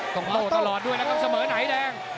โล่ตลอดด้วยนะครับเสมอไหนแดง